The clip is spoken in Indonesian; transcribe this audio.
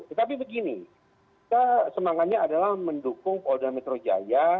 tetapi begini kita semangatnya adalah mendukung polda metro jaya